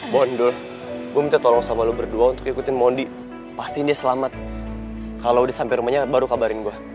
bon dul gue minta tolong sama lo berdua untuk ikutin mondi pastiin dia selamat kalau udah sampe rumahnya baru kabarin gue